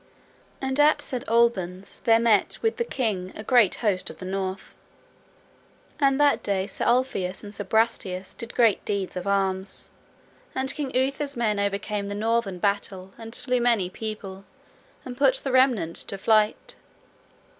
And at St. Albans there met with the king a great host of the North. And that day Sir Ulfius and Sir Brastias did great deeds of arms, and King Uther's men overcame the Northern battle and slew many people, and put the remnant to flight.